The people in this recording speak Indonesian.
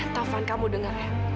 taufan kamu dengar